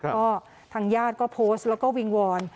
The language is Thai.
ก็ทางญาติก็โพสต์แล้วก็วิงวอน